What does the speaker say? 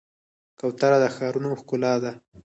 کوتره د ښارونو ښکلا ده.